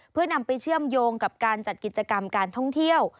เพื่อนำไปเชื่อมโยงกับการจัดกิจกรรมการท่องเที่ยว